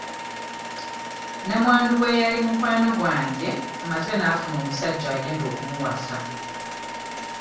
Namwandu w'eyali mukwano gwange amaze n'afuna omusajja agenda okumuwasa.